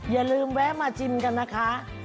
อย่าลืมแวะมาชิมกันนะคะ